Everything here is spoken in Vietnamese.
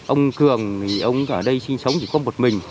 ông cường thì ông ở đây sinh sống chỉ có một mình